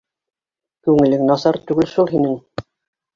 Күңелең насар түге шу һинең...